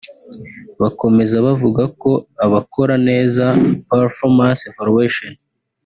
Bakomeza bavuga ko abakora neza (Performance Evaluation